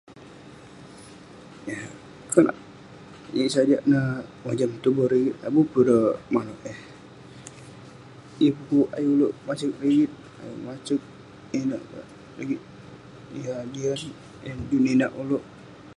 Konak..yeng sajak neh mojam petuboh rigit, abuh peh ireh manouk eh..yeng pu'kuk ayuk ulouk pasek rigit, ayuk masek inak rigit yah jian..yah juk ninak ulouk..